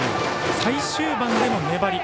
最終盤での粘り